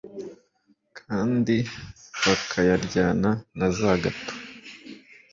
kandi bakayaryana na za gato